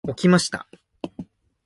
起きました。